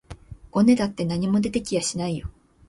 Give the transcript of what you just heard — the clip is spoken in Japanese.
ごねたって何も出て来やしないよ